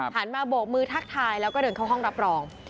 มาโบกมือทักทายแล้วก็เดินเข้าห้องรับรอง